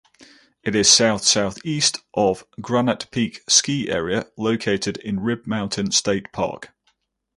It is south-southeast of Granite Peak Ski Area, located in Rib Mountain State Park.